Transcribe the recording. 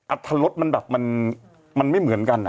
อัตภรรดมันแบบแบบมันไม่เหมือนกัน